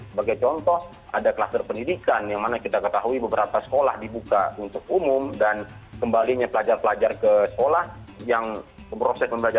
sebagai contoh ada kluster pendidikan yang mana kita ketahui beberapa sekolah dibuka untuk umum dan kembalinya pelajar pelajar ke sekolah yang proses pembelajaran